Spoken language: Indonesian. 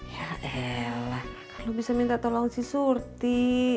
ya elah kan lo bisa minta tolong si surti